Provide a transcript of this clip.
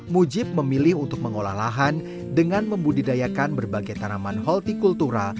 mujib memilih untuk mengolah lahan dengan membudidayakan berbagai tanaman holti kultura